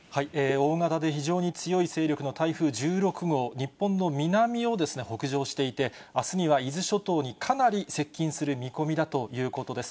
大型で非常に強い勢力の台風１６号、日本の南を北上していて、あすには伊豆諸島にかなり接近する見込みだということです。